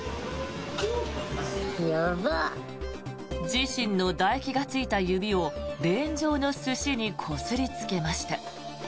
自身のだ液がついた指をレーン上の寿司にこすりつけました。